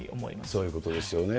そういうことですよね。